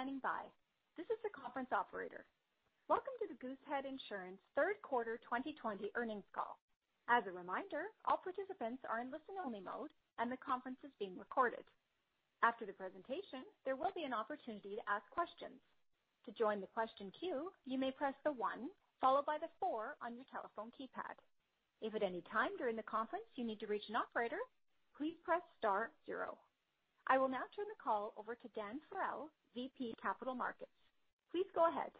Thank you for standing by. This is the conference operator. Welcome to the Goosehead Insurance third quarter 2020 earnings call. As a reminder, all participants are in listen-only mode, and the conference is being recorded. After the presentation, there will be an opportunity to ask questions. To join the question queue, you may press the one followed by the four on your telephone keypad. If at any time during the conference you need to reach an operator, please press star zero. I will now turn the call over to Dan Farrell, VP Capital Markets. Please go ahead.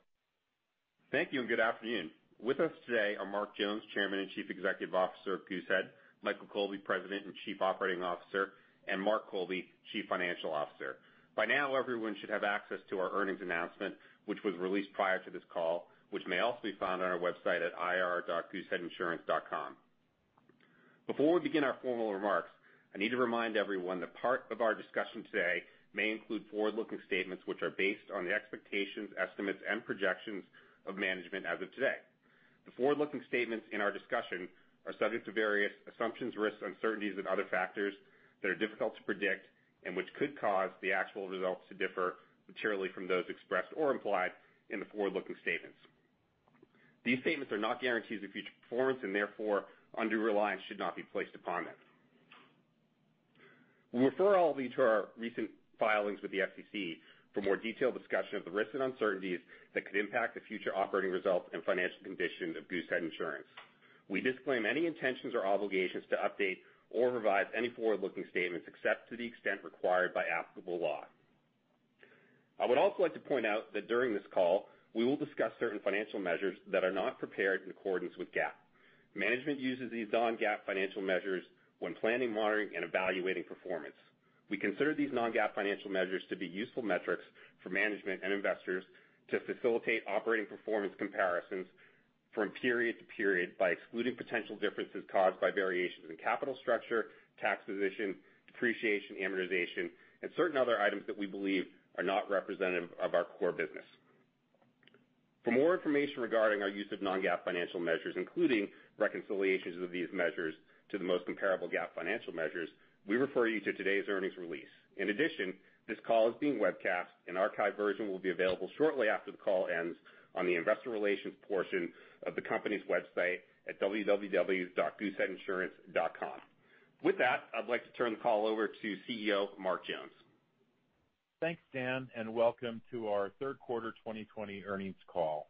Thank you. Good afternoon. With us today are Mark Jones, Chairman and Chief Executive Officer of Goosehead, Michael Colby, President and Chief Operating Officer, and Mark Colby, Chief Financial Officer. By now, everyone should have access to our earnings announcement, which was released prior to this call, which may also be found on our website at ir.gooseheadinsurance.com. Before we begin our formal remarks, I need to remind everyone that part of our discussion today may include forward-looking statements which are based on the expectations, estimates, and projections of management as of today. The forward-looking statements in our discussion are subject to various assumptions, risks, uncertainties, and other factors that are difficult to predict and which could cause the actual results to differ materially from those expressed or implied in the forward-looking statements. These statements are not guarantees of future performance and therefore undue reliance should not be placed upon them. We refer all of you to our recent filings with the SEC for more detailed discussion of the risks and uncertainties that could impact the future operating results and financial conditions of Goosehead Insurance. We disclaim any intentions or obligations to update or revise any forward-looking statements, except to the extent required by applicable law. I would also like to point out that during this call, we will discuss certain financial measures that are not prepared in accordance with GAAP. Management uses these non-GAAP financial measures when planning, monitoring, and evaluating performance. We consider these non-GAAP financial measures to be useful metrics for management and investors to facilitate operating performance comparisons from period to period by excluding potential differences caused by variations in capital structure, tax position, depreciation, amortization, and certain other items that we believe are not representative of our core business. For more information regarding our use of non-GAAP financial measures, including reconciliations of these measures to the most comparable GAAP financial measures, we refer you to today's earnings release. In addition, this call is being webcast. An archived version will be available shortly after the call ends on the investor relations portion of the company's website at www.gooseheadinsurance.com. With that, I'd like to turn the call over to CEO Mark Jones. Thanks, Dan, welcome to our Q3 2020 earnings call.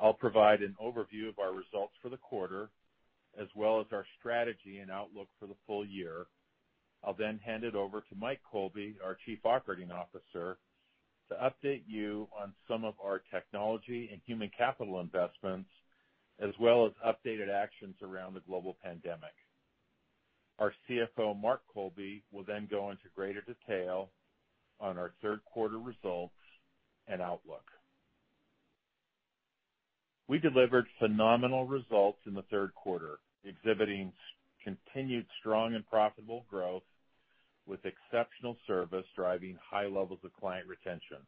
I'll provide an overview of our results for the quarter, as well as our strategy and outlook for the full year. I'll then hand it over to Michael Colby, our Chief Operating Officer, to update you on some of our technology and human capital investments, as well as updated actions around the global pandemic. Our CFO, Mark Colby, will then go into greater detail on our third quarter results and outlook. We delivered phenomenal results in the third quarter, exhibiting continued strong and profitable growth with exceptional service, driving high levels of client retention.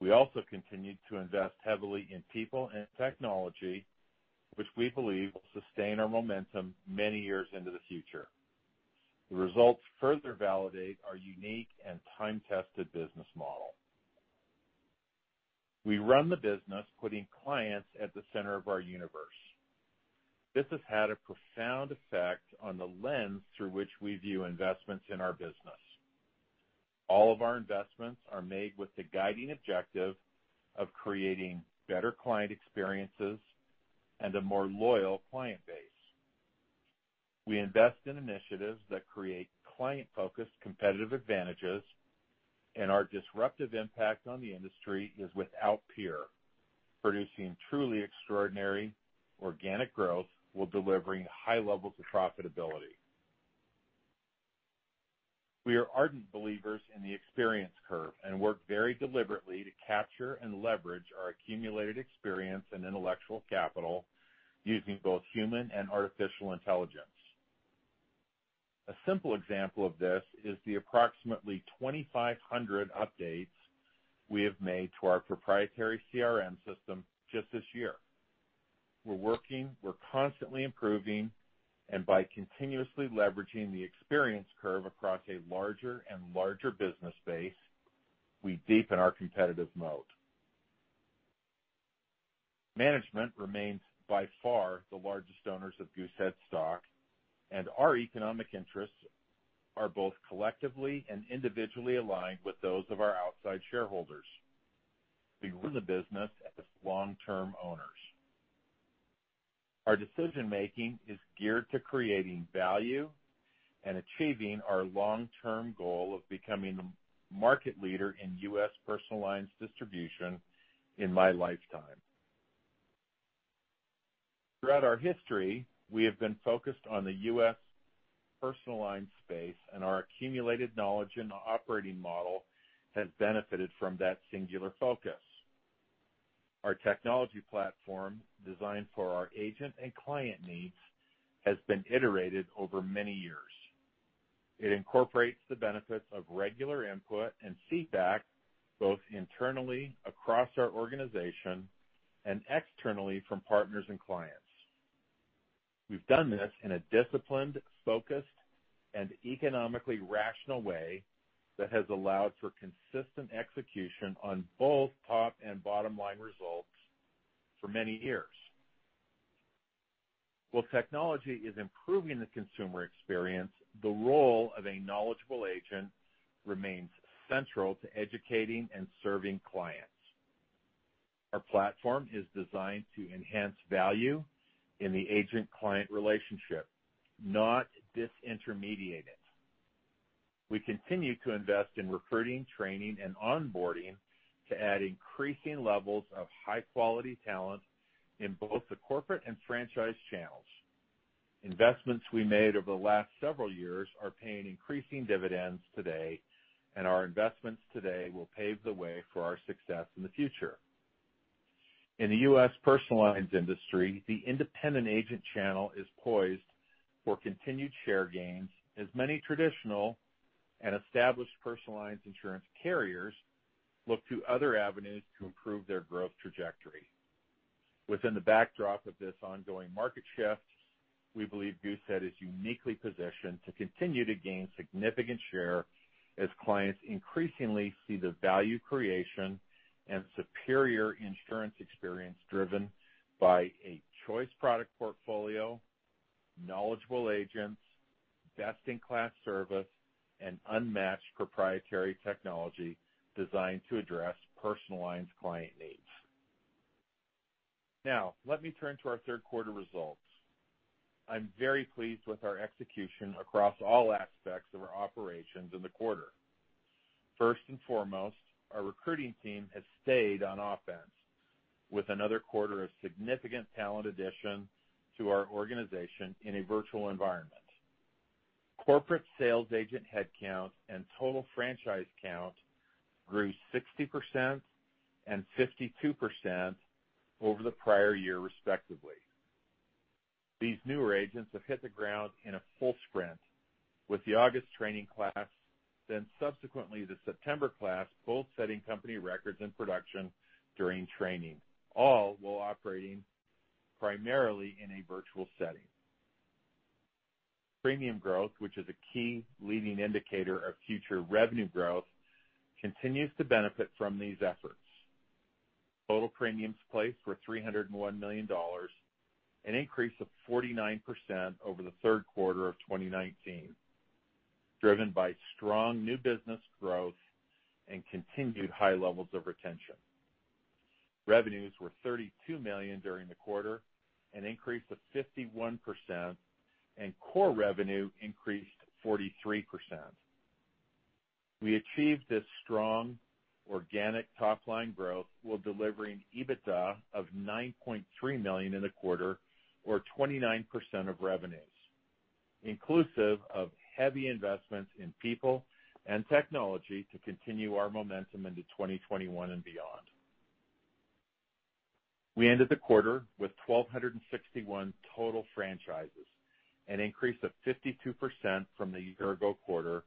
We also continued to invest heavily in people and technology, which we believe will sustain our momentum many years into the future. The results further validate our unique and time-tested business model. We run the business putting clients at the center of our universe. This has had a profound effect on the lens through which we view investments in our business. All of our investments are made with the guiding objective of creating better client experiences and a more loyal client base. We invest in initiatives that create client-focused competitive advantages, our disruptive impact on the industry is without peer, producing truly extraordinary organic growth while delivering high levels of profitability. We are ardent believers in the experience curve and work very deliberately to capture and leverage our accumulated experience and intellectual capital using both human and artificial intelligence. A simple example of this is the approximately 2,500 updates we have made to our proprietary CRM system just this year. We're working, we're constantly improving, by continuously leveraging the experience curve across a larger and larger business base, we deepen our competitive moat. Management remains by far the largest owners of Goosehead stock, our economic interests are both collectively and individually aligned with those of our outside shareholders. We run the business as long-term owners. Our decision-making is geared to creating value and achieving our long-term goal of becoming the market leader in U.S. personal lines distribution in my lifetime. Throughout our history, we have been focused on the U.S. personal line space, our accumulated knowledge and operating model has benefited from that singular focus. Our technology platform, designed for our agent and client needs, has been iterated over many years. It incorporates the benefits of regular input and feedback, both internally across our organization and externally from partners and clients. We've done this in a disciplined, focused, and economically rational way that has allowed for consistent execution on both top and bottom line results for many years. While technology is improving the consumer experience, the role of a knowledgeable agent remains central to educating and serving clients. Our platform is designed to enhance value in the agent-client relationship, not disintermediate it. We continue to invest in recruiting, training, and onboarding to add increasing levels of high-quality talent in both the corporate and franchise channels. Investments we made over the last several years are paying increasing dividends today, our investments today will pave the way for our success in the future. In the U.S. personal lines industry, the independent agent channel is poised for continued share gains as many traditional and established personal lines insurance carriers look to other avenues to improve their growth trajectory. Within the backdrop of this ongoing market shift, we believe Goosehead is uniquely positioned to continue to gain significant share as clients increasingly see the value creation and superior insurance experience driven by a choice product portfolio, knowledgeable agents, best-in-class service, and unmatched proprietary technology designed to address personal lines client needs. Now, let me turn to our third quarter results. I'm very pleased with our execution across all aspects of our operations in the quarter. First and foremost, our recruiting team has stayed on offense with another quarter of significant talent addition to our organization in a virtual environment. Corporate sales agent headcount and total franchise count grew 60% and 52% over the prior year respectively. These newer agents have hit the ground in a full sprint with the August training class, then subsequently the September class, both setting company records and production during training, all while operating primarily in a virtual setting. Premium growth, which is a key leading indicator of future revenue growth, continues to benefit from these efforts. Total premiums placed were $301 million, an increase of 49% over the third quarter of 2019, driven by strong new business growth and continued high levels of retention. Revenues were $32 million during the quarter, an increase of 51%, and core revenue increased 43%. We achieved this strong organic top-line growth while delivering EBITDA of $9.3 million in the quarter or 29% of revenues, inclusive of heavy investments in people and technology to continue our momentum into 2021 and beyond. We ended the quarter with 1,261 total franchises, an increase of 52% from the year-ago quarter,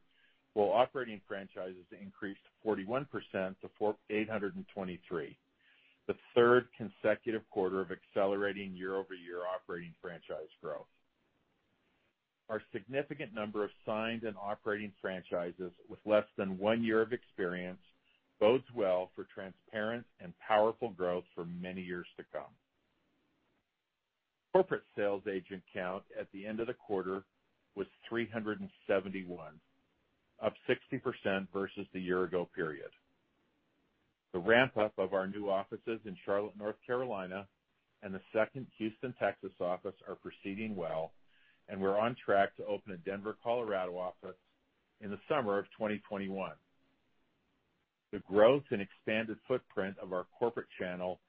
while operating franchises increased 41% to 823, the third consecutive quarter of accelerating year-over-year operating franchise growth. Our significant number of signed and operating franchises with less than one year of experience bodes well for transparent and powerful growth for many years to come. Corporate sales agent count at the end of the quarter was 371, up 60% versus the year-ago period. The ramp-up of our new offices in Charlotte, North Carolina, and the second Houston, Texas office are proceeding well, and we're on track to open a Denver, Colorado office in the summer of 2021. The growth and expanded footprint of our corporate channel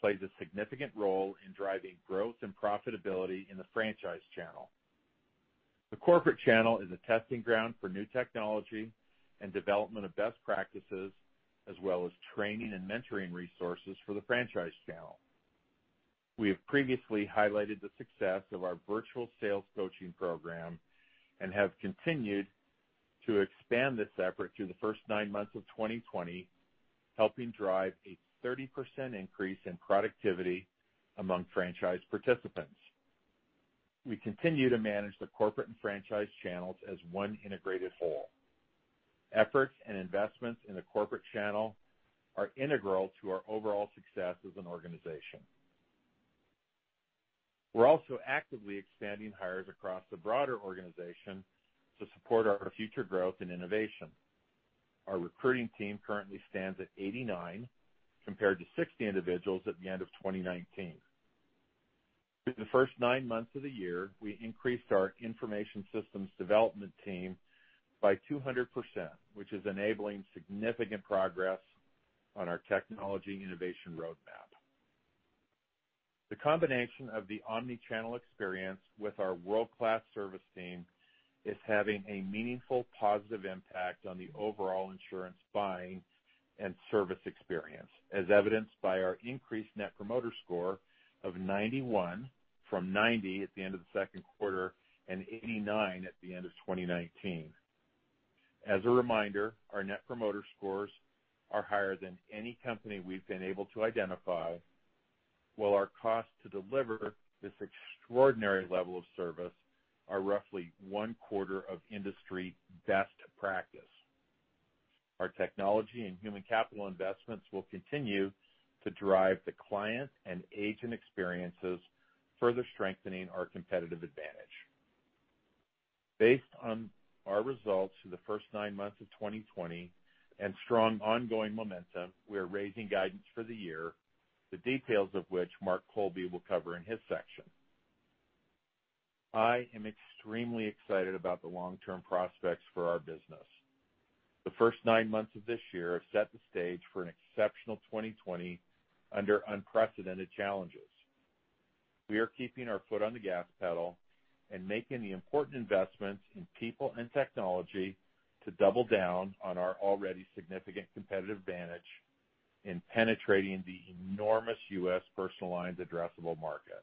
plays a significant role in driving growth and profitability in the franchise channel. The corporate channel is a testing ground for new technology and development of best practices, as well as training and mentoring resources for the franchise channel. We have previously highlighted the success of our virtual sales coaching program and have continued to expand this effort through the first nine months of 2020, helping drive a 30% increase in productivity among franchise participants. We continue to manage the corporate and franchise channels as one integrated whole. Efforts and investments in the corporate channel are integral to our overall success as an organization. We're also actively expanding hires across the broader organization to support our future growth and innovation. Our recruiting team currently stands at 89 compared to 60 individuals at the end of 2019. Through the first nine months of the year, we increased our information systems development team by 200%, which is enabling significant progress on our technology innovation roadmap. The combination of the omni-channel experience with our world-class service team is having a meaningful, positive impact on the overall insurance buying and service experience, as evidenced by our increased Net Promoter Score of 91 from 90 at the end of the second quarter and 89 at the end of 2019. As a reminder, our Net Promoter Scores are higher than any company we've been able to identify, while our cost to deliver this extraordinary level of service are roughly one-quarter of industry best practice. Our technology and human capital investments will continue to drive the client and agent experiences, further strengthening our competitive advantage. Based on our results for the first nine months of 2020 and strong ongoing momentum, we are raising guidance for the year, the details of which Mark Colby will cover in his section. I am extremely excited about the long-term prospects for our business. The first nine months of this year have set the stage for an exceptional 2020 under unprecedented challenges. We are keeping our foot on the gas pedal and making the important investments in people and technology to double down on our already significant competitive advantage in penetrating the enormous U.S. personal lines addressable market.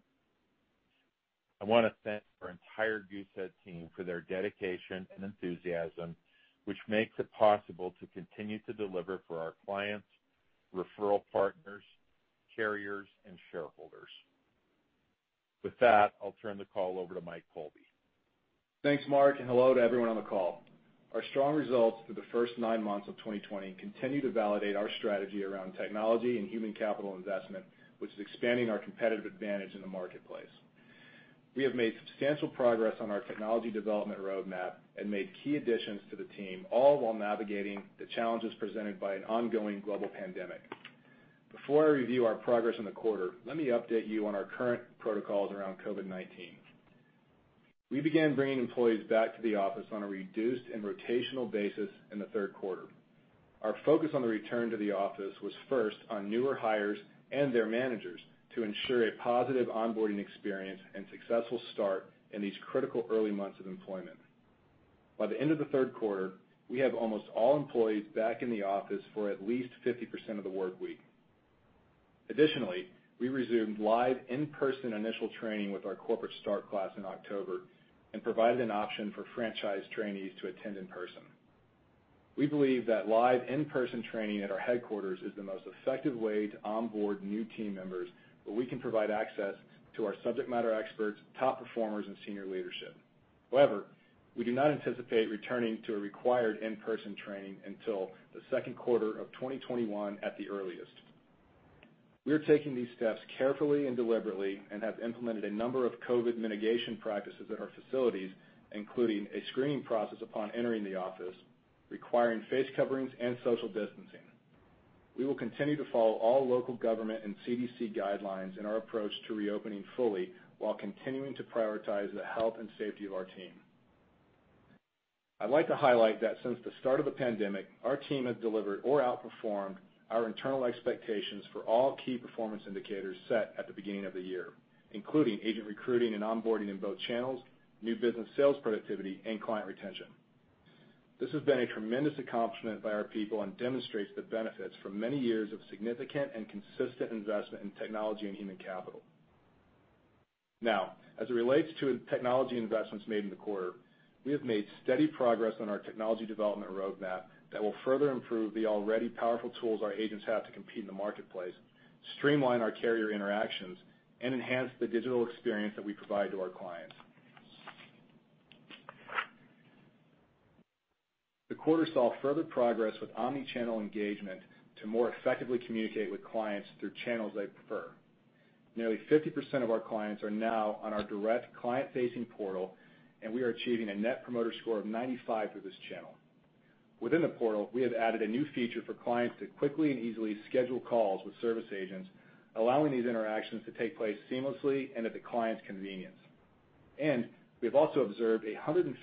I want to thank our entire Goosehead team for their dedication and enthusiasm, which makes it possible to continue to deliver for our clients, referral partners, carriers, and shareholders. With that, I'll turn the call over to Mike Colby. Thanks, Mark, and hello to everyone on the call. Our strong results for the first nine months of 2020 continue to validate our strategy around technology and human capital investment, which is expanding our competitive advantage in the marketplace. We have made substantial progress on our technology development roadmap and made key additions to the team, all while navigating the challenges presented by an ongoing global pandemic. Before I review our progress in the quarter, let me update you on our current protocols around COVID-19. We began bringing employees back to the office on a reduced and rotational basis in the third quarter. Our focus on the return to the office was first on newer hires and their managers to ensure a positive onboarding experience and successful start in these critical early months of employment. By the end of the third quarter, we have almost all employees back in the office for at least 50% of the work week. Additionally, we resumed live in-person initial training with our corporate start class in October and provided an option for franchise trainees to attend in person. We believe that live in-person training at our headquarters is the most effective way to onboard new team members, where we can provide access to our subject matter experts, top performers, and senior leadership. However, we do not anticipate returning to a required in-person training until the second quarter of 2021 at the earliest. We are taking these steps carefully and deliberately and have implemented a number of COVID mitigation practices at our facilities, including a screening process upon entering the office, requiring face coverings and social distancing. We will continue to follow all local government and CDC guidelines in our approach to reopening fully while continuing to prioritize the health and safety of our team. I'd like to highlight that since the start of the pandemic, our team has delivered or outperformed our internal expectations for all key performance indicators set at the beginning of the year, including agent recruiting and onboarding in both channels, new business sales productivity, and client retention. This has been a tremendous accomplishment by our people and demonstrates the benefits from many years of significant and consistent investment in technology and human capital. As it relates to technology investments made in the quarter, we have made steady progress on our technology development roadmap that will further improve the already powerful tools our agents have to compete in the marketplace, streamline our carrier interactions, and enhance the digital experience that we provide to our clients. The quarter saw further progress with omni-channel engagement to more effectively communicate with clients through channels they prefer. Nearly 50% of our clients are now on our direct client-facing portal, and we are achieving a Net Promoter Score of 95 for this channel. Within the portal, we have added a new feature for clients to quickly and easily schedule calls with service agents, allowing these interactions to take place seamlessly and at the client's convenience. We've also observed a 150%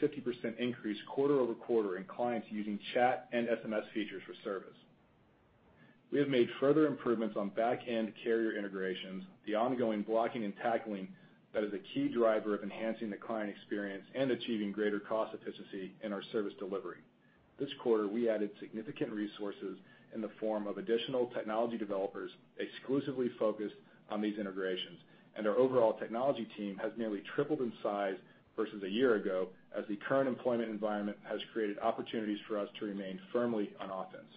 increase quarter-over-quarter in clients using chat and SMS features for service. We have made further improvements on back-end carrier integrations, the ongoing blocking and tackling that is a key driver of enhancing the client experience and achieving greater cost efficiency in our service delivery. This quarter, we added significant resources in the form of additional technology developers exclusively focused on these integrations, and our overall technology team has nearly tripled in size versus a year ago as the current employment environment has created opportunities for us to remain firmly on offense.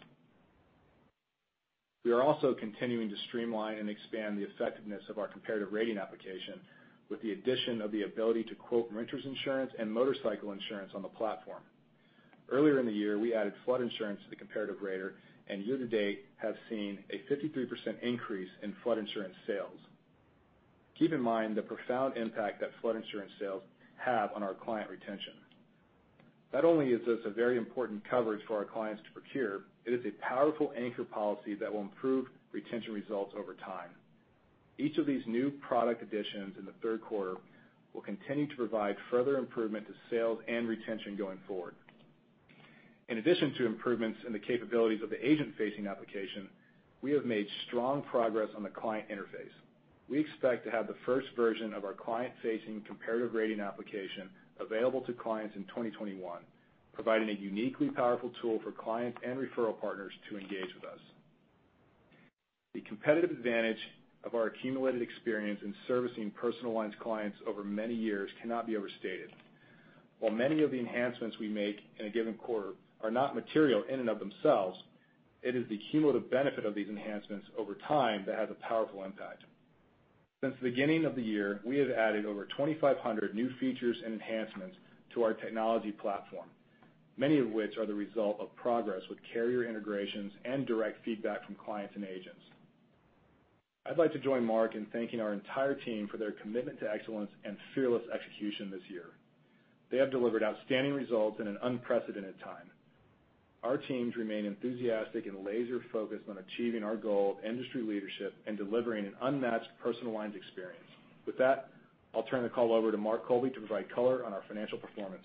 We are also continuing to streamline and expand the effectiveness of our comparative rating application with the addition of the ability to quote renters insurance and motorcycle insurance on the platform. Earlier in the year, we added flood insurance to the comparative rater and year-to-date have seen a 53% increase in flood insurance sales. Keep in mind the profound impact that flood insurance sales have on our client retention. Not only is this a very important coverage for our clients to procure, it is a powerful anchor policy that will improve retention results over time. Each of these new product additions in the third quarter will continue to provide further improvement to sales and retention going forward. In addition to improvements in the capabilities of the agent-facing application, we have made strong progress on the client interface. We expect to have the first version of our client-facing comparative rating application available to clients in 2021, providing a uniquely powerful tool for clients and referral partners to engage with us. The competitive advantage of our accumulated experience in servicing personal lines clients over many years cannot be overstated. While many of the enhancements we make in a given quarter are not material in and of themselves, it is the cumulative benefit of these enhancements over time that has a powerful impact. Since the beginning of the year, we have added over 2,500 new features and enhancements to our technology platform, many of which are the result of progress with carrier integrations and direct feedback from clients and agents. I'd like to join Mark in thanking our entire team for their commitment to excellence and fearless execution this year. They have delivered outstanding results in an unprecedented time. Our teams remain enthusiastic and laser-focused on achieving our goal of industry leadership and delivering an unmatched personal lines experience. With that, I'll turn the call over to Mark Colby to provide color on our financial performance.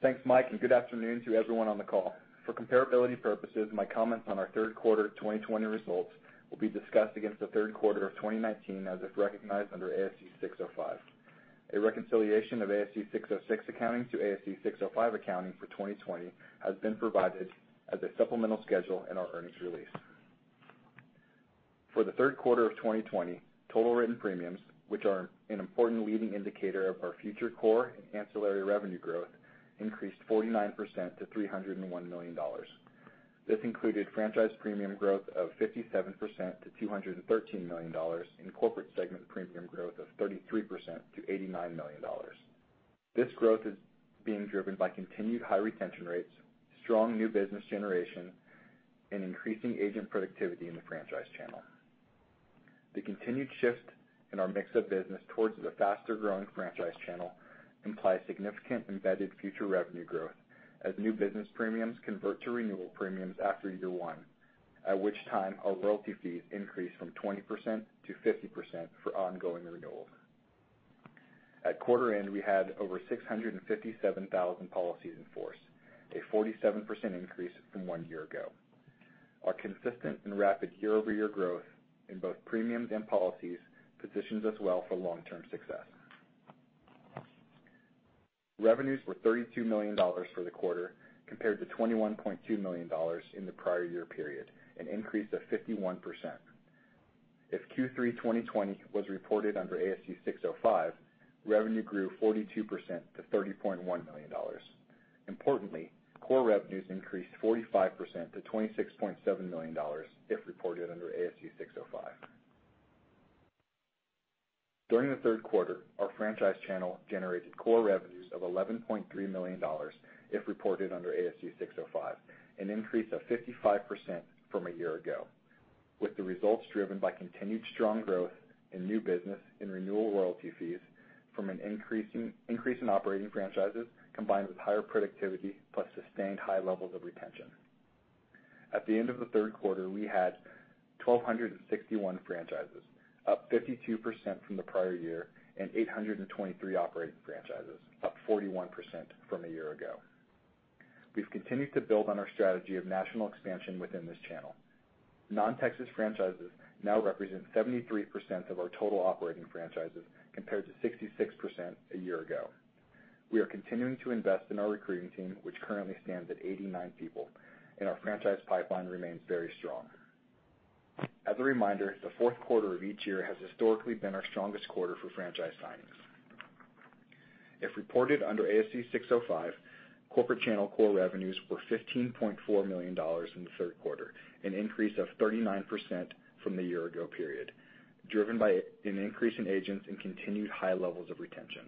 Thanks, Mike, good afternoon to everyone on the call. For comparability purposes, my comments on our third quarter 2020 results will be discussed against the third quarter of 2019, as if recognized under ASC 605. A reconciliation of ASC 606 accounting to ASC 605 accounting for 2020 has been provided as a supplemental schedule in our earnings release. For the third quarter of 2020, total written premiums, which are an important leading indicator of our future core and ancillary revenue growth, increased 49% to $301 million. This included franchise premium growth of 57% to $213 million, and corporate segment premium growth of 33% to $89 million. This growth is being driven by continued high retention rates, strong new business generation, and increasing agent productivity in the franchise channel. The continued shift in our mix of business towards the faster-growing franchise channel imply significant embedded future revenue growth as new business premiums convert to renewal premiums after year one, at which time our royalty fees increase from 20% to 50% for ongoing renewals. At quarter end, we had over 657,000 policies in force, a 47% increase from one year ago. Our consistent and rapid year-over-year growth in both premiums and policies positions us well for long-term success. Revenues were $32 million for the quarter, compared to $21.2 million in the prior year period, an increase of 51%. If Q3 2020 was reported under ASC 605, revenue grew 42% to $30.1 million. Importantly, core revenues increased 43% to $26.7 million if reported under ASC 605. During the third quarter, our franchise channel generated core revenues of $11.3 million if reported under ASC 605, an increase of 55% from a year ago, with the results driven by continued strong growth in new business and renewal royalty fees from an increase in operating franchises, combined with higher productivity plus sustained high levels of retention. At the end of the third quarter, we had 1,261 franchises, up 52% from the prior year, and 823 operating franchises, up 41% from a year ago. We've continued to build on our strategy of national expansion within this channel. Non-Texas franchises now represent 73% of our total operating franchises, compared to 66% a year ago. We are continuing to invest in our recruiting team, which currently stands at 89 people, and our franchise pipeline remains very strong. As a reminder, the fourth quarter of each year has historically been our strongest quarter for franchise signings. If reported under ASC 605, corporate channel core revenues were $15.4 million in the third quarter, an increase of 39% from the year ago period, driven by an increase in agents and continued high levels of retention.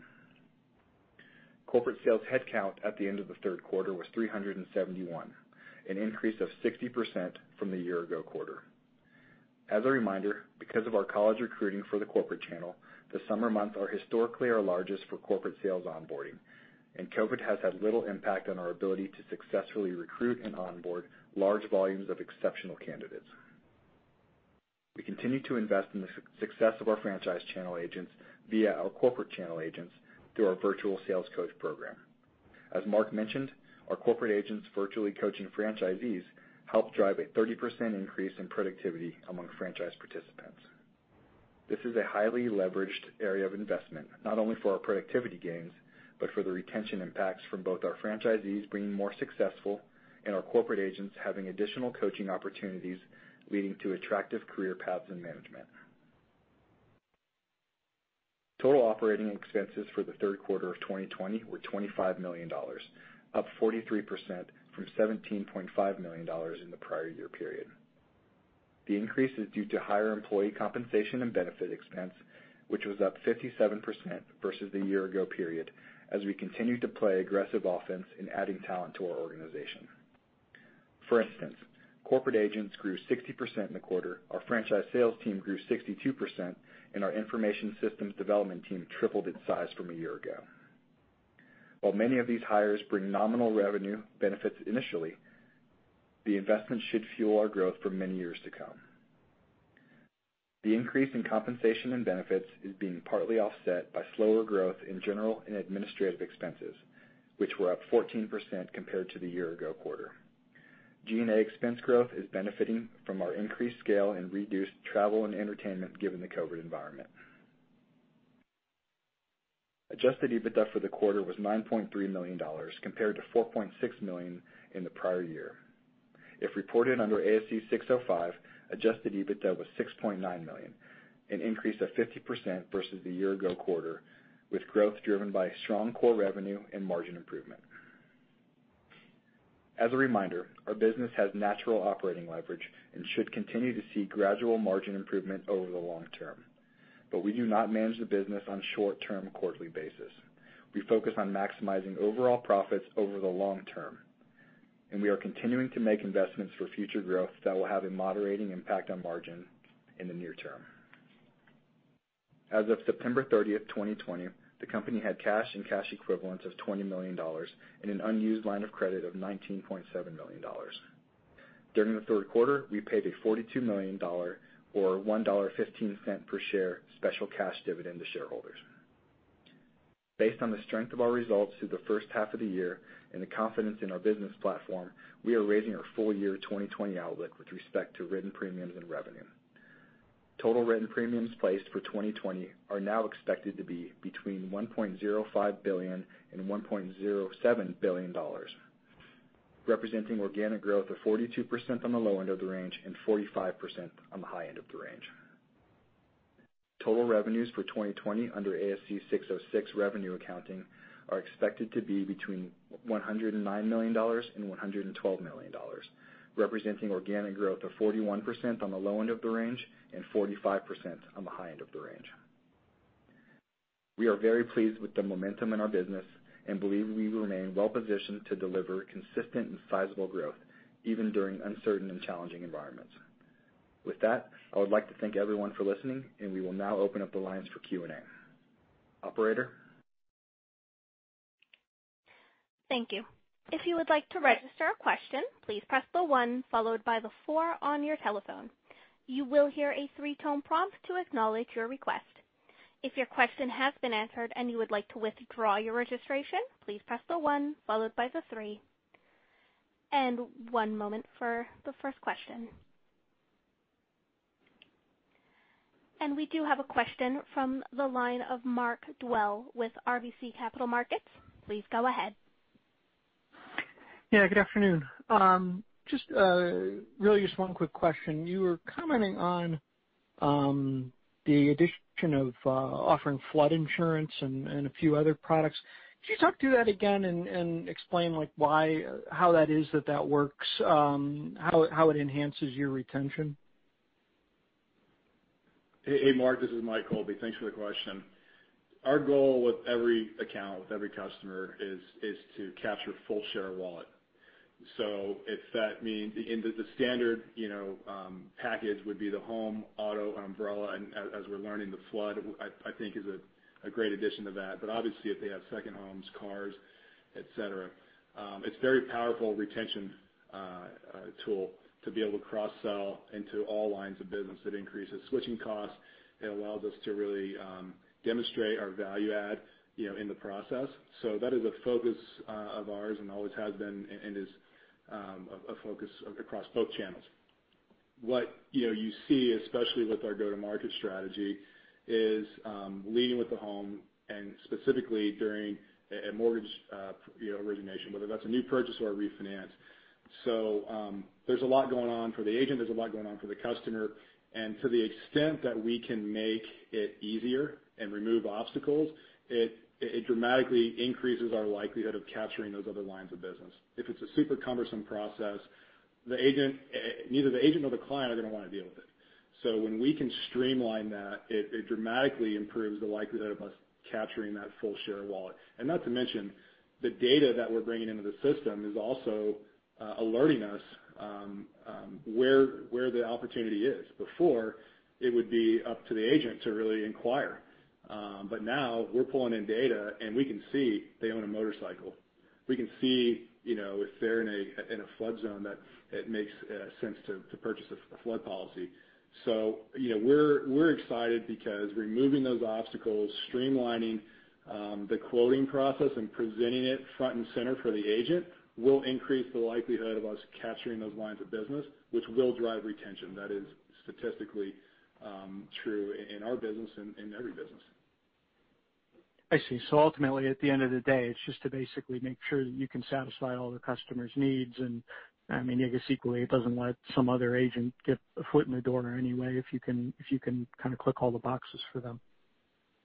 Corporate sales headcount at the end of the third quarter was 371, an increase of 60% from the year ago quarter. As a reminder, because of our college recruiting for the corporate channel, the summer months are historically our largest for corporate sales onboarding, and COVID has had little impact on our ability to successfully recruit and onboard large volumes of exceptional candidates. We continue to invest in the success of our franchise channel agents via our corporate channel agents through our virtual sales coach program. As Mark mentioned, our corporate agents virtually coaching franchisees helped drive a 30% increase in productivity among franchise participants. This is a highly leveraged area of investment, not only for our productivity gains, but for the retention impacts from both our franchisees being more successful and our corporate agents having additional coaching opportunities, leading to attractive career paths and management. Total operating expenses for the third quarter of 2020 were $25 million, up 43% from $17.5 million in the prior year period. The increase is due to higher employee compensation and benefit expense, which was up 57% versus the year ago period, as we continued to play aggressive offense in adding talent to our organization. For instance, corporate agents grew 60% in the quarter, our franchise sales team grew 62%, and our information systems development team tripled its size from a year ago. While many of these hires bring nominal revenue benefits initially, the investment should fuel our growth for many years to come. The increase in compensation and benefits is being partly offset by slower growth in general and administrative expenses, which were up 14% compared to the year ago quarter. G&A expense growth is benefiting from our increased scale in reduced travel and entertainment given the COVID environment. Adjusted EBITDA for the quarter was $9.3 million compared to $4.6 million in the prior year. If reported under ASC 605, adjusted EBITDA was $6.9 million, an increase of 50% versus the year ago quarter, with growth driven by strong core revenue and margin improvement. As a reminder, our business has natural operating leverage and should continue to see gradual margin improvement over the long term. We do not manage the business on a short-term quarterly basis. We focus on maximizing overall profits over the long term, and we are continuing to make investments for future growth that will have a moderating impact on margin in the near term. As of September 30th, 2020, the company had cash and cash equivalents of $20 million and an unused line of credit of $19.7 million. During the third quarter, we paid a $42 million, or $1.15 per share, special cash dividend to shareholders. Based on the strength of our results through the first half of the year and the confidence in our business platform, we are raising our full year 2020 outlook with respect to written premiums and revenue. Total written premiums placed for 2020 are now expected to be between $1.05 billion and $1.07 billion, representing organic growth of 42% on the low end of the range and 45% on the high end of the range. Total revenues for 2020 under ASC 606 revenue accounting are expected to be between $109 million and $112 million, representing organic growth of 41% on the low end of the range and 45% on the high end of the range. We are very pleased with the momentum in our business and believe we remain well-positioned to deliver consistent and sizable growth even during uncertain and challenging environments. With that, I would like to thank everyone for listening, and we will now open up the lines for Q&A. Operator? Thank you. If you would like to register a question, please press the one followed by the four on your telephone. You will hear a three-tone prompt to acknowledge your request. If your question has been answered and you would like to withdraw your registration, please press the one followed by the three. One moment for the first question. We do have a question from the line of Mark Dwelle with RBC Capital Markets. Please go ahead. Yeah, good afternoon. Just really just one quick question. You were commenting on the addition of offering flood insurance and a few other products. Could you talk through that again and explain how that is that that works, how it enhances your retention? Hey, Mark, this is Mike Colby. Thanks for the question. Our goal with every account, with every customer is to capture full share of wallet. If that means the standard package would be the home, auto, and umbrella, and as we're learning, the flood, I think is a great addition to that. Obviously if they have second homes, cars, et cetera. It's very powerful retention tool to be able to cross-sell into all lines of business. It increases switching costs. It allows us to really demonstrate our value add in the process. That is a focus of ours and always has been and is a focus across both channels. What you see, especially with our go-to-market strategy, is leading with the home and specifically during a mortgage origination, whether that's a new purchase or a refinance. There's a lot going on for the agent, there's a lot going on for the customer, to the extent that we can make it easier and remove obstacles, it dramatically increases our likelihood of capturing those other lines of business. If it's a super cumbersome process, neither the agent nor the client are going to want to deal with it. When we can streamline that, it dramatically improves the likelihood of us capturing that full share of wallet. Not to mention, the data that we're bringing into the system is also alerting us where the opportunity is. Before, it would be up to the agent to really inquire. Now we're pulling in data, we can see they own a motorcycle. We can see if they're in a flood zone that it makes sense to purchase a flood policy. We're excited because removing those obstacles, streamlining the quoting process, and presenting it front and center for the agent will increase the likelihood of us capturing those lines of business, which will drive retention. That is statistically true in our business and in every business. I see. Ultimately, at the end of the day, it's just to basically make sure that you can satisfy all the customer's needs. I guess equally, it doesn't let some other agent get a foot in the door anyway, if you can kind of click all the boxes for them.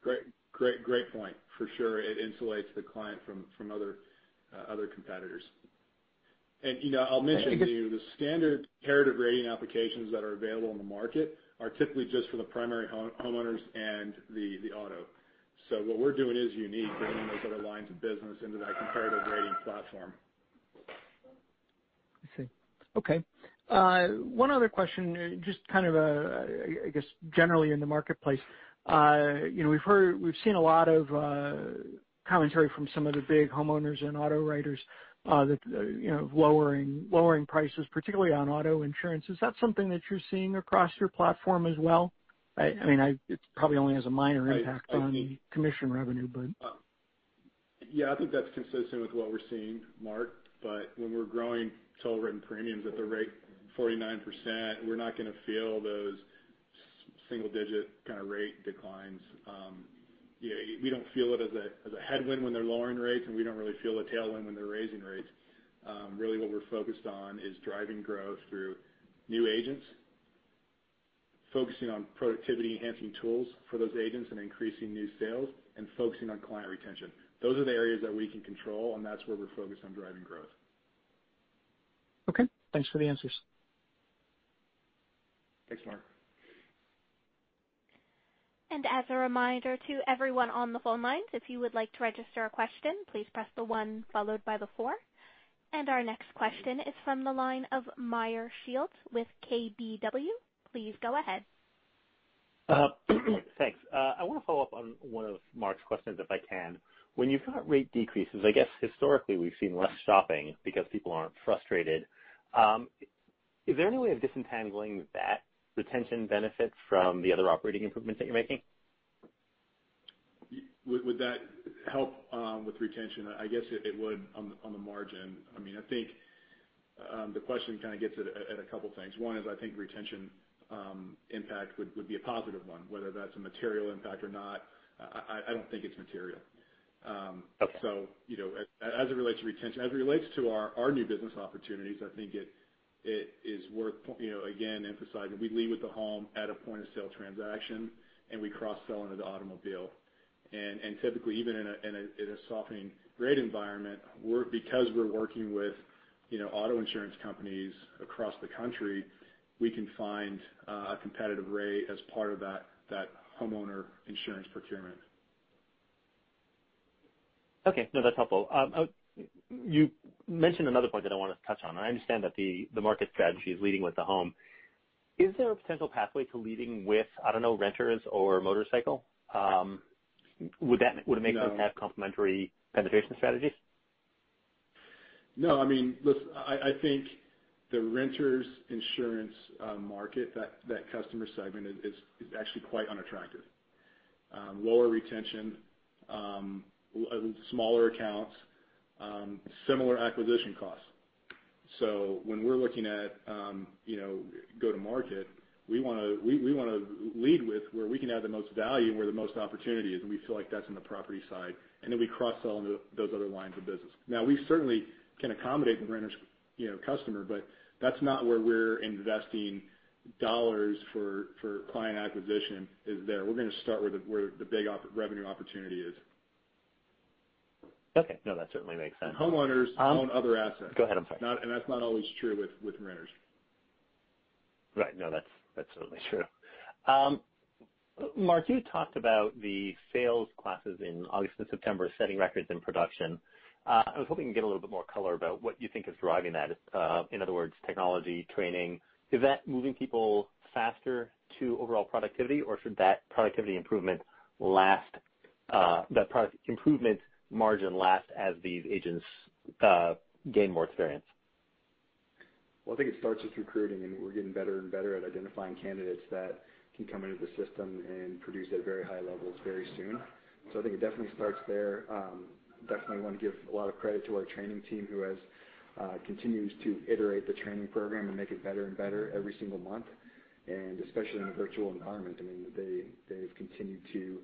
Great point. For sure. It insulates the client from other competitors. I'll mention to you, the standard comparative rating applications that are available in the market are typically just for the primary homeowners and the auto. What we're doing is unique, bringing those other lines of business into that comparative rating platform. I see. Okay. One other question, just kind of I guess generally in the marketplace. We've seen a lot of commentary from some of the big homeowners and auto writers of lowering prices, particularly on auto insurance. Is that something that you're seeing across your platform as well? It probably only has a minor impact on commission revenue, but Yeah, I think that's consistent with what we're seeing, Mark. When we're growing total written premiums at the rate 49%, we're not going to feel those single digit rate declines. We don't feel it as a headwind when they're lowering rates, and we don't really feel a tailwind when they're raising rates. Really what we're focused on is driving growth through new agents, focusing on productivity-enhancing tools for those agents, and increasing new sales, and focusing on client retention. Those are the areas that we can control, and that's where we're focused on driving growth. Okay. Thanks for the answers. Thanks, Mark. As a reminder to everyone on the phone lines, if you would like to register a question, please press the one followed by the four. Our next question is from the line of Meyer Shields with KBW. Please go ahead. Thanks. I want to follow up on one of Mark's questions, if I can. When you've got rate decreases, I guess historically we've seen less shopping because people aren't frustrated. Is there any way of disentangling that retention benefit from the other operating improvements that you're making? Would that help with retention? I guess it would on the margin. I think the question kind of gets at a couple things. One is, I think retention impact would be a positive one, whether that's a material impact or not, I don't think it's material. Okay. As it relates to retention, as it relates to our new business opportunities, I think it is worth, again, emphasizing, we lead with the home at a point-of-sale transaction, we cross-sell into the automobile. Typically, even in a softening rate environment, because we're working with auto insurance companies across the country, we can find a competitive rate as part of that homeowner insurance procurement. Okay. No, that's helpful. You mentioned another point that I want to touch on, and I understand that the market strategy is leading with the home. Is there a potential pathway to leading with, I don't know, renters or motorcycle? No. Would it make them have complementary penetration strategies? No. I think the renters insurance market, that customer segment is actually quite unattractive. Lower retention, smaller accounts, similar acquisition costs. When we're looking at go to market, we want to lead with where we can add the most value and where the most opportunity is, and we feel like that's in the property side. Then we cross-sell into those other lines of business. Now, we certainly can accommodate the renters customer, but that's not where we're investing dollars for client acquisition is there. We're going to start where the big revenue opportunity is. Okay. No, that certainly makes sense. Homeowners own other assets. Go ahead. I'm sorry. That's not always true with renters. Right. No, that's totally true. Mark, you talked about the sales classes in August and September setting records in production. I was hoping to get a little bit more color about what you think is driving that. In other words, technology, training. Is that moving people faster to overall productivity, or should that productivity improvement margin last as these agents gain more experience? I think it starts with recruiting, we're getting better and better at identifying candidates that can come into the system and produce at very high levels very soon. I think it definitely starts there. Definitely want to give a lot of credit to our training team, who continues to iterate the training program and make it better and better every single month. Especially in a virtual environment, they've continued to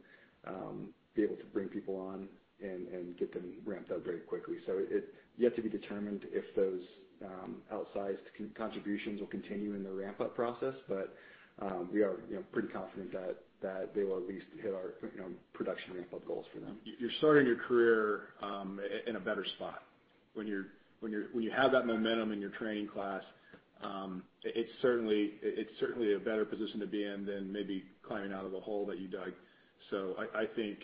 be able to bring people on and get them ramped up very quickly. It's yet to be determined if those outsized contributions will continue in the ramp-up process. We are pretty confident that they will at least hit our production ramp-up goals for them. You're starting your career in a better spot. When you have that momentum in your training class, it's certainly a better position to be in than maybe climbing out of a hole that you dug. I think,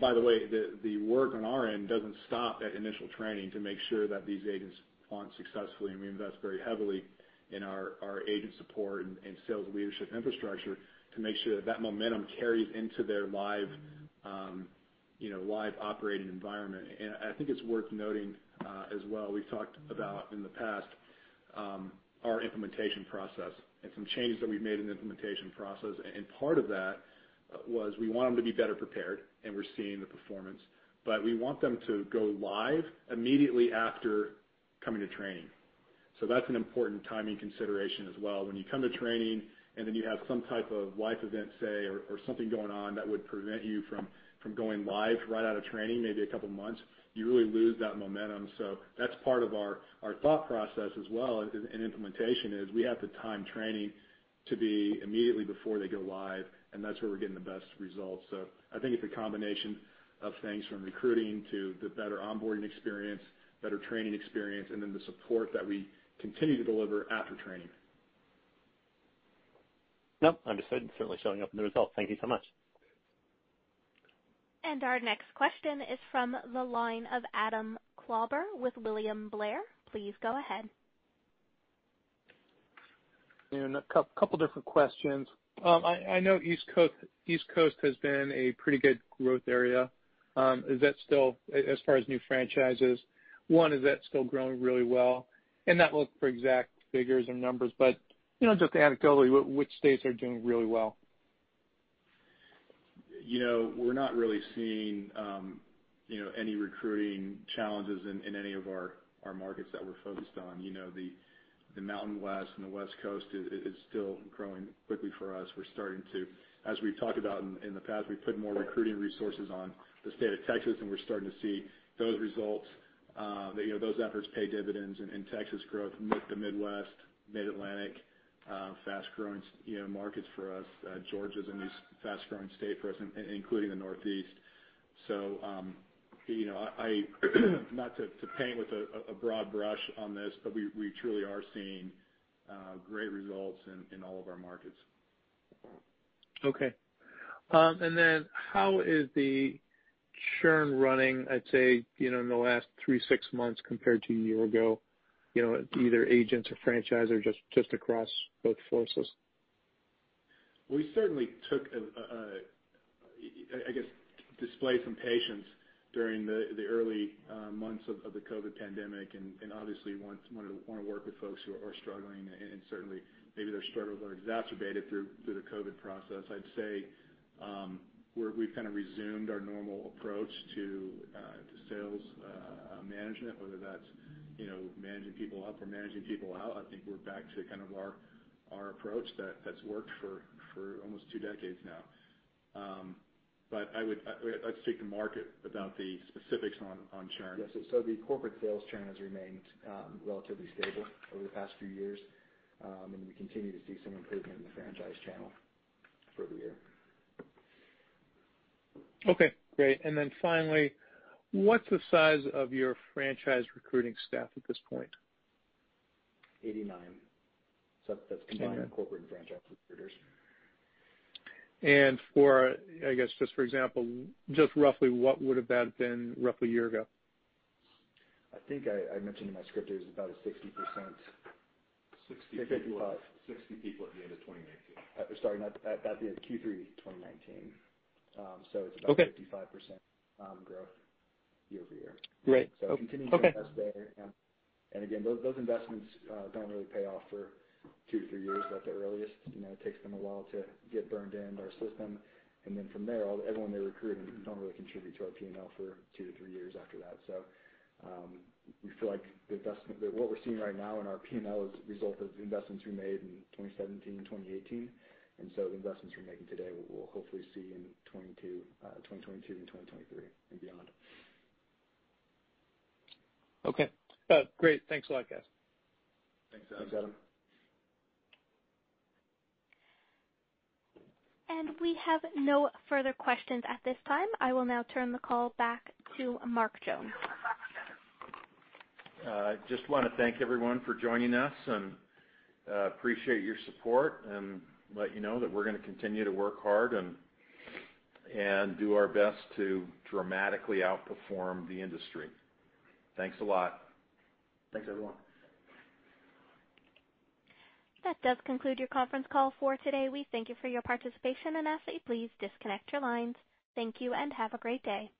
by the way, the work on our end doesn't stop at initial training to make sure that these agents launch successfully, we invest very heavily in our agent support and sales leadership infrastructure to make sure that momentum carries into their live operating environment. I think it's worth noting as well, we've talked about in the past, our implementation process, and some changes that we've made in the implementation process. Part of that was we want them to be better prepared, and we're seeing the performance. We want them to go live immediately after coming to training. That's an important timing consideration as well. When you come to training then you have some type of life event, say, or something going on that would prevent you from going live right out of training, maybe a couple of months, you really lose that momentum. That's part of our thought process as well in implementation is we have to time training to be immediately before they go live, that's where we're getting the best results. I think it's a combination of things from recruiting to the better onboarding experience, better training experience, then the support that we continue to deliver after training. Understood, certainly showing up in the results. Thank you so much. Our next question is from the line of Adam Klauber with William Blair. Please go ahead. A couple different questions. I know East Coast has been a pretty good growth area. As far as new franchises, one, is that still growing really well? Not look for exact figures or numbers, but just anecdotally, which states are doing really well? We're not really seeing any recruiting challenges in any of our markets that we're focused on. The Mountain West and the West Coast is still growing quickly for us. As we've talked about in the past, we put more recruiting resources on the state of Texas, and we're starting to see those results, those efforts pay dividends in Texas growth. The Midwest, Mid-Atlantic, fast-growing markets for us. Georgia's a fast-growing state for us, including the Northeast. Not to paint with a broad brush on this, but we truly are seeing great results in all of our markets. Okay. How is the churn running, I'd say, in the last three, six months compared to a year ago, either agents or franchisor, just across both forces? We certainly took, I guess, displayed some patience during the early months of the COVID-19 pandemic. Obviously want to work with folks who are struggling, and certainly, maybe their struggles are exacerbated through the COVID-19 process. I'd say, we've kind of resumed our normal approach to sales management, whether that's managing people up or managing people out. I think we're back to kind of our approach that's worked for almost two decades now. I'd speak to Mark about the specifics on churn. Yes. The corporate sales churn has remained relatively stable over the past few years. We continue to see some improvement in the franchise channel for the year. Okay, great. Finally, what's the size of your franchise recruiting staff at this point? 89. That's combining corporate and franchise recruiters. For, I guess, just for example, just roughly what would have that been roughly a year ago? I think I mentioned in my script it was about a 60% 60 people at the end of 2019. Sorry, that'd be at Q3 2019. Okay 65% growth year-over-year. Great. Okay. Continuing to invest there. Again, those investments don't really pay off for two to three years at the earliest. It takes them a while to get burned into our system. From there, everyone they recruit don't really contribute to our P&L for two to three years after that. We feel like what we're seeing right now in our P&L is a result of the investments we made in 2017 and 2018. The investments we're making today, we'll hopefully see in 2022 and 2023 and beyond. Okay. Great. Thanks a lot, guys. Thanks, Adam. Thanks, Adam. We have no further questions at this time. I will now turn the call back to Mark Jones. I just want to thank everyone for joining us, and appreciate your support and let you know that we're going to continue to work hard and do our best to dramatically outperform the industry. Thanks a lot. Thanks, everyone. That does conclude your conference call for today. We thank you for your participation and ask that you please disconnect your lines. Thank you and have a great day.